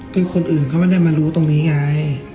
คือคนอื่นเขาไม่ได้มารู้ตรงนี้ไง